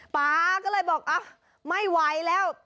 ป๊าก็เลยบอกไม่ไหวแล้ว